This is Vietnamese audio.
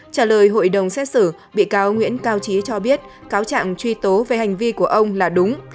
trả lời hội đồng xét xử bị cáo nguyễn cao trí cho biết cáo trạng truy tố về hành vi của ông là đúng